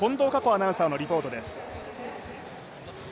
アナウンサーのリポートです。